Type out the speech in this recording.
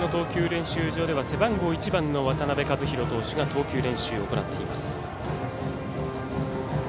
練習場では背番号１番の渡辺和大投手が投球練習を行っています。